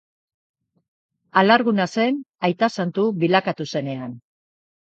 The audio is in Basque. Alarguna zen aita santu bilakatu zenean.